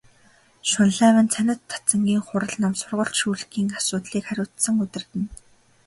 Шунлайв нь цанид дацангийн хурал ном, сургалт шүүлгийн асуудлыг хариуцан удирдана.